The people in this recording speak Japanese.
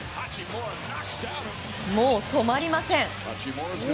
もう止まりません。